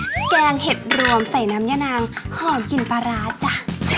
แกงเห็ดรวมใส่น้ำย่านางหอมกลิ่นปลาร้าจ้ะ